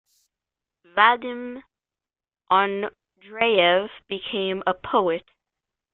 Vadim Andreyev became a poet.